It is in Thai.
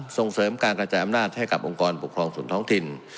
ส่งเสริมการกระจายอำนาจให้กับองค์กรปกครองส่วนท้องถิ่น